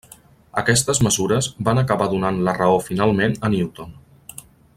Aquestes mesures van acabar donant la raó finalment a Newton.